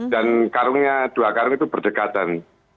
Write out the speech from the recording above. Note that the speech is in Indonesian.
dan karungnya dua karung itu berdekatan